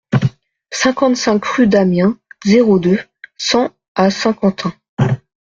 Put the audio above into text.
cinquante-cinq rue d'Amiens, zéro deux, cent à Saint-Quentin